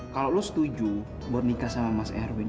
kalau lo setuju buat nikah sama mas erwin